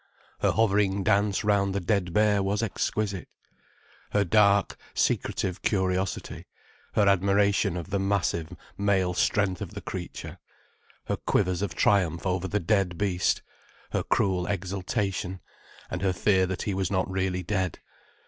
Her hovering dance round the dead bear was exquisite: her dark, secretive curiosity, her admiration of the massive, male strength of the creature, her quivers of triumph over the dead beast, her cruel exultation, and her fear that he was not really dead.